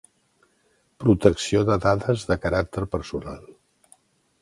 Protecció de dades de caràcter personal.